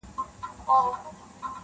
هنر هنر سوم زرګري کوومه ښه کوومه,